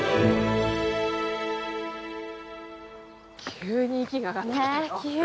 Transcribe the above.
急に息が上がってきたよ。